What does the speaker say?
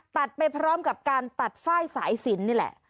ไปพร้อมกับการตัดฝ้ายสายสินนี่แหละ